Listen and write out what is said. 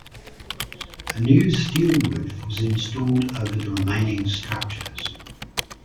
A new steel roof was installed over the remaining structures.